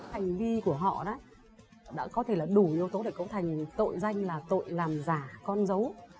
hành vi của họ đấy đã có thể là đủ yếu tố để cấu thành tội danh là tội làm giả con dấu